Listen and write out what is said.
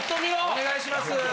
お願いします！